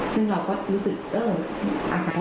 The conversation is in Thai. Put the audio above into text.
ซึ่งเราก็รู้สึกเอออะไร